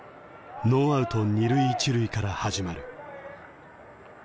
ノーアウト二塁一塁から始まる。